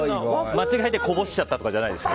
間違えてこぼしちゃったとかではないです。